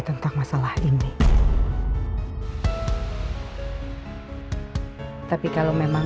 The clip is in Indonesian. sekarang sentuh ini saya agak cementing